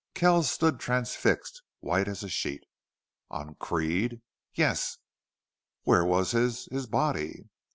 Kells stood transfixed, white as a sheet. "On Creede!" "Yes." "Where was his his body?"